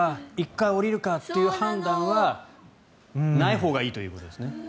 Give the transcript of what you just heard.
１回降りるかっていう判断はないほうがいいということですね。